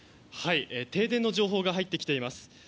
停電の情報が入ってきています。